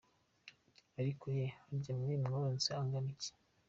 Ariko ye, harya mwe mworetse abangana iki ?